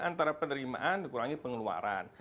antara penerimaan dikurangi pengeluaran